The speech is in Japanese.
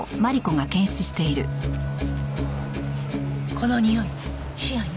このにおいシアンよ。